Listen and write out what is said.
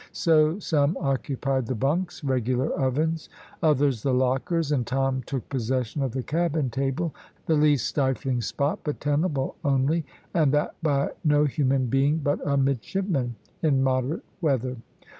So some occupied the bunks regular ovens others the lockers, and Tom took possession of the cabin table, the least stifling spot, but tenable only and that by no human being but a midshipman in moderate weather.